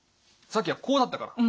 さっきはこうなったから。